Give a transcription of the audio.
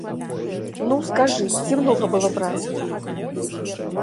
Ну, скажы, ці многа было працы?